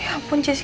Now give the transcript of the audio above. ya ampun jessy